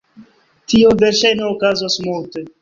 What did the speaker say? Tio verŝajne okazos multe.